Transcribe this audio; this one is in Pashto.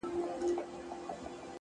د چا په برېت کي ونښتې پېزوانه سرگردانه’